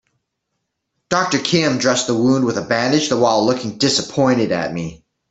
Doctor Kim dressed the wound with a bandage while looking disappointed at me.